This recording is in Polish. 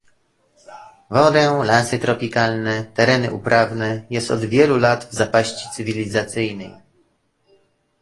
wodę, lasy tropikalne, tereny uprawne, jest od wielu lat w zapaści cywilizacyjnej